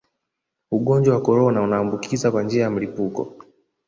ugonjwa wa korona unaambukiza kwa njia ya mlipuko